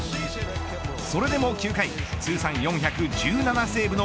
それでも９回通算４１７セーブの